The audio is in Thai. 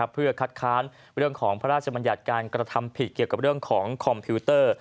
เพื่อคัดค้านเรื่องของพระราชบัญญัติการกระทำผิดเกี่ยวกับเรื่องของคอมพิวเตอร์